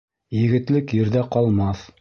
Егетлек ерҙә ҡалмаҫ.